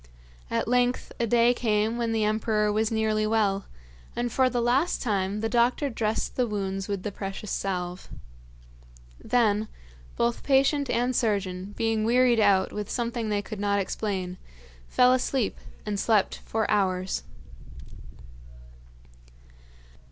At length a day came when the emperor was nearly well, and for the last time the doctor dressed the wounds with the precious salve. Then, both patient and surgeon, being wearied out with something they could not explain, fell asleep and slept for hours.